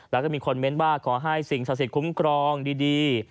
แล้วก็มีคอนเมนต์บ้างขอให้สิ่งสาธิตคุ้มครองดี